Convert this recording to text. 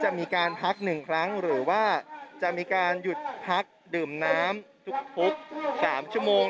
จะมีการพัก๑ครั้งหรือว่าจะมีการหยุดพักดื่มน้ำทุก๓ชั่วโมง